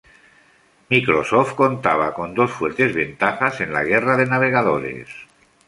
Microsoft contaba con dos fuertes ventajas en la guerra de navegadores.